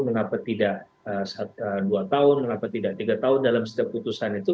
mengapa tidak dua tahun mengapa tidak tiga tahun dalam setiap putusan itu